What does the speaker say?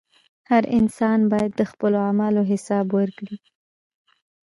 • هر انسان باید د خپلو اعمالو حساب ورکړي.